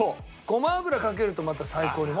ごま油かけるとまた最高に。